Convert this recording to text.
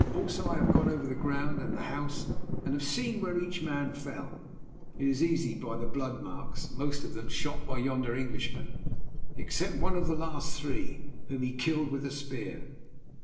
"Also I have gone over the ground and the house, and have seen where each man fell—it is easy by the blood marks—most of them shot by yonder Englishman, except one of the last three, whom he killed with a spear.